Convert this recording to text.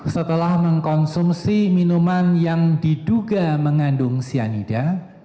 setelah mengkonsumsi minuman yang diduga mengandung cyanida